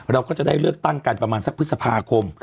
เราก็จะได้เลือกตั้งกันประมาณสักพฤษภาคม